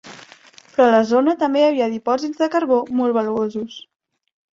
Però a la zona també hi havia dipòsits de carbó molt valuosos.